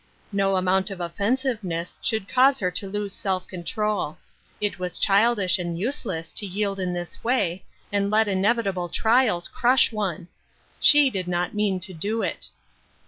Nc^ amount of offensiveness should cause her to lose self control. It was childish and useless to yield in this way, and let inevitable trials crush one. She did not mean to do it.